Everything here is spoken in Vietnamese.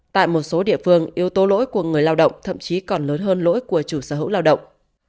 tại một số địa phương yếu tố lỗi của người lao động thậm chí còn lớn hơn lỗi của chủ sở hữu lao động